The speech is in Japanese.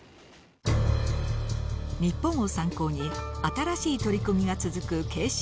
日本を参考に新しい取り組みが続くＫＣＩ鉄道。